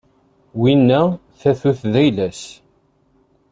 Winna tatut d ayla-s.